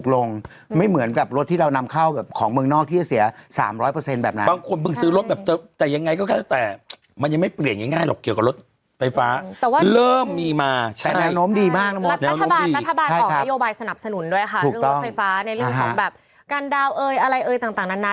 และรัฐบาลของนโยบายสนับสนุนด้วยค่ะรถไฟฟ้าในเรื่องของการดาวน์อะไรต่างนั้นนะ